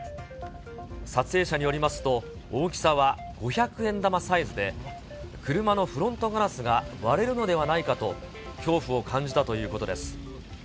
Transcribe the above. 撮影者によりますと、大きさは五百円玉サイズで、車のフロントガラスが割れるのではないかと恐怖を感じたということです。